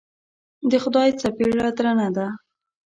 د خدای څپېړه درنه ده.